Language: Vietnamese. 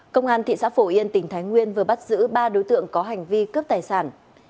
công an thị xã phổ yên tỉnh thái nguyên vừa bắt giữ ba đối tượng có hành vi cướp tài sản